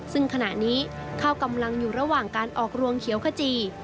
ซึ่งขณะนี้ข้าวกำลังอยู่ระหว่างการออกรวงเขียวขจี